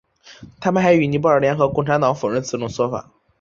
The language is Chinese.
他们还与尼泊尔联合共产党否认此种说法。